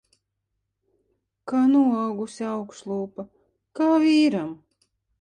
Kā noaugusi augšlūpa. Kā vīram.